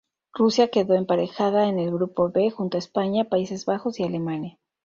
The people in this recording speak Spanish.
Rusia quedó emparejada en el grupo B, junto a España, Países Bajos y Alemania.